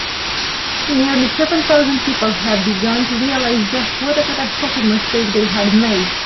Nearly seven thousand people had begun to realise just what a catastrophic mistake they had made.